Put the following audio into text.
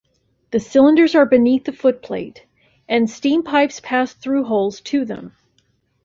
The cylinders are beneath the footplate, and steam pipes pass through holes to them.